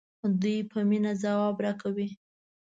دوی په مینه ځواب راکوي.